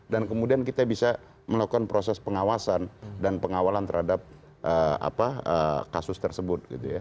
dan kemudian kita bisa melakukan proses pengawasan dan pengawalan terhadap kasus tersebut